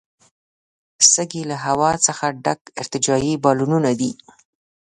سږي له هوا څخه ډک ارتجاعي بالونونه دي.